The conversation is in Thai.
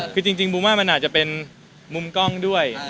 คือจริงบูมว่ามันอาจจะเป็นมุมกล้องด้วย